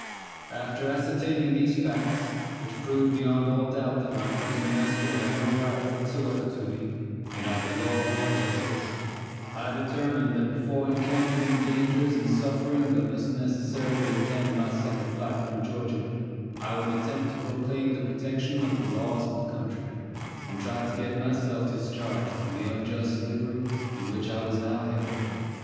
After ascertaining these facts, which proved beyond all doubt that my present master had no right whatsoever to me, in either law or justice, I determined that before encountering the dangers and sufferings that must necessarily attend my second flight from Georgia, I would attempt to proclaim the protection of the laws of the country, and try to get myself discharged from the unjust slavery in which I was now held.